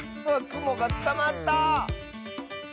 くもがつかまった！